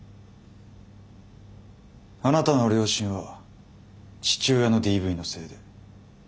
あなたの両親は父親のＤＶのせいで離婚されている。